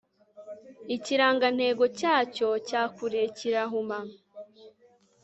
Ikirangantego cyacyo cya kure kirahuma